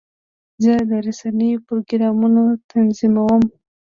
زه د رسنیو پروګرامونه تنظیموم.